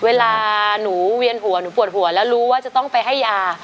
เวลาหนูเวียนหัวหนูปวดหัวแล้วรู้ว่าจะต้องไปให้ยา